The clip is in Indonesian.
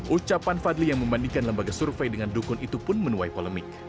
ucapan fadli yang membandingkan lembaga survei dengan dukun itu pun menuai polemik